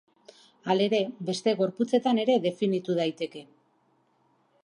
Halere, beste gorputzetan ere definitu daiteke.